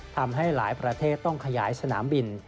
ทำให้หลายประเทศต้องขยายสนามบิน